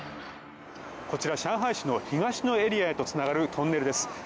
こちら、上海市の東のエリアへとつながるトンネルです。